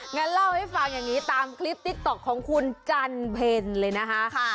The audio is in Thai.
งั้นเล่าให้ฟังอย่างนี้ตามคลิปติ๊กต๊อกของคุณจันเพ็ญเลยนะคะ